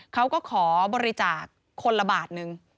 เขาก็ขอบริจาคคนละบาทนึง